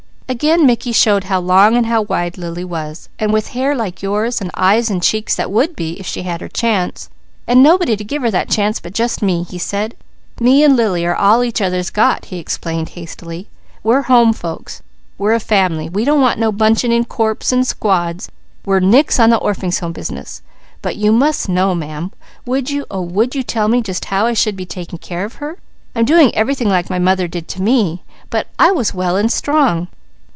Again Mickey showed how long and how wide Lily was. "And with hair like yours, and eyes and cheeks that would be, if she had her chance, and nobody to give her that chance but just me," he said. "Me and Lily are all each other's got," he explained hastily. "We're home folks. We're a family. We don't want no bunching in corps and squads. We're nix on the Orphings' Home business; but you must know, ma'am would you, oh would you tell me just how I should be taking care of her? I'm doing everything like my mother did to me; but I was well and strong.